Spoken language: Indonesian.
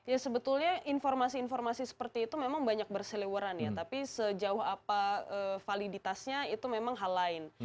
ya sebetulnya informasi informasi seperti itu memang banyak berseleweran ya tapi sejauh apa validitasnya itu memang hal lain